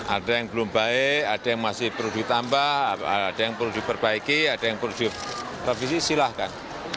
ada yang belum baik ada yang masih perlu ditambah ada yang perlu diperbaiki ada yang perlu direvisi silahkan